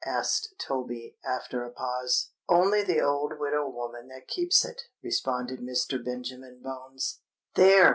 asked Toby, after a pause. "Only the old widow woman that keeps it," responded Mr. Benjamin Bones. "There!"